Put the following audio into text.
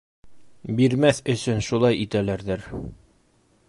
Бирмәҫ өсөн шулай итәләрҙер...